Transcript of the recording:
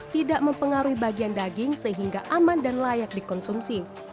tidak mempengaruhi bagian daging sehingga aman dan layak dikonsumsi